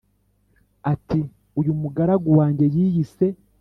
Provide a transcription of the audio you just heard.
ati: "uyu mugaragu wanjye yiyise